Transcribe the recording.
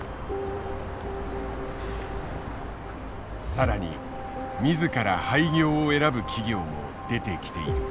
さらに自ら廃業を選ぶ企業も出てきている。